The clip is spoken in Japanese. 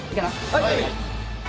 はい。